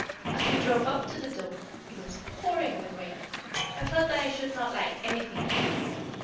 As we drove up to the door it was pouring with rain I felt that I should not like anything here.